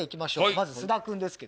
まず菅田君ですけどね。